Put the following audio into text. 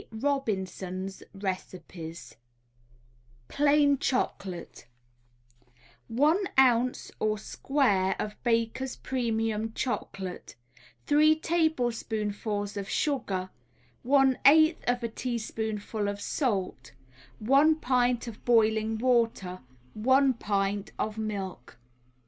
Robinson's Recipes PLAIN CHOCOLATE 1 ounce or square of Baker's Premium Chocolate, 3 tablespoonfuls of sugar, 1/8 a teaspoonful of salt, 1 pint of boiling water, 1 pint of milk.